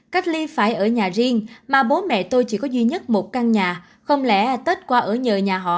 cách ly phải ở nhà riêng mà bố mẹ tôi chỉ có duy nhất một căn nhà không lẽ tết qua ở nhờ nhà họ